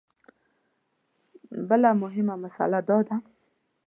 بله مهمه مسله دا ده.